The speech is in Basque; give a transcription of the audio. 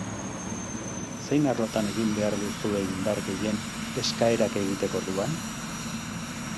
Zein arlotan egin behar duzue indar gehien eskaerak egiteko orduan?